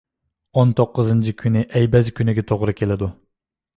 ئون توققۇزىنچى كۈنى ئەبيەز كۈنىگە توغرا كېلىدۇ.